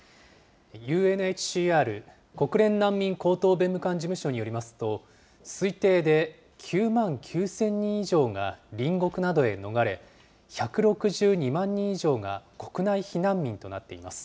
ＵＮＨＣＲ・国連難民高等弁務官事務所によりますと、推定で９万９０００人以上が隣国などへ逃れ、１６２万人以上が国内避難民となっています。